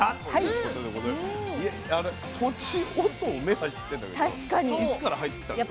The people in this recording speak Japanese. いやあのとちおとめは知ってんだけどいつから入ってきたんですか？